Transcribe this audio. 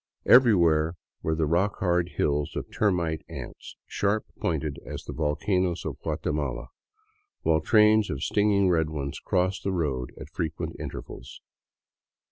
Everywhere were the rock hard hills of termite " ants," sharp pointed as the volcanoes of Guatemala, while trains of stinging red ones crossed the road at frequent in tervals.